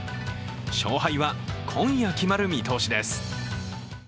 勝敗は今夜決まる見通しです。